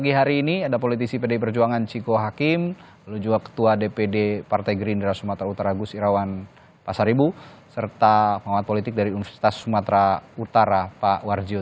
pagi hari ini ada politisi pdi perjuangan ciko hakim lalu juga ketua dpd partai gerindra sumatera utara gus irawan pasaribu serta pengamat politik dari universitas sumatera utara pak warjio